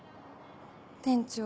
店長